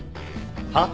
はっ？